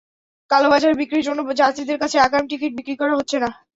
কালোবাজারে বিক্রির জন্যই যাত্রীদের কাছে আগাম টিকিট বিক্রি করা হচ্ছে না।